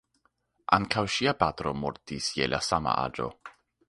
Ankaŭ ŝia patro mortis je la sama aĝo.